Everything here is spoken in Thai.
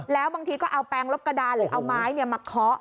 แล้วบางทีก็เอาแปลงลบกระดานหรือเอาไม้มาเคาะ